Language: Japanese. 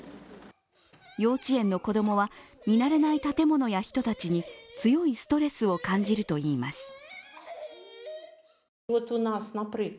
幼稚園の子供は見慣れない建物や人たちに強いストレスを感じるといいます。